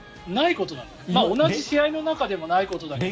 同じ試合の中でもないことだけど。